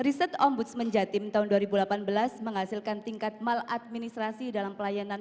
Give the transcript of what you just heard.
riset ombudsman jatim tahun dua ribu delapan belas menghasilkan tingkat maladministrasi dalam pelayanan